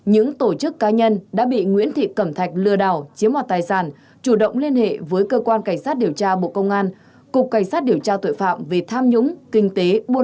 hiện cơ quan cảnh sát điều tra bộ công an đang tiếp tục điều tra triệt đề mở rộng vụ án và áp dụng các biện pháp theo luật định để thu hồi tài sản đã bị đối tượng chiếm đoạt